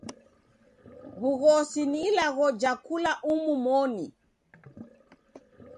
W'ughosi ni ilagho ja kula umu moni.